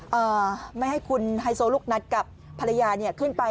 ไม่ให้คุณไฮโซลุกนัดกับภรรยาขึ้นไป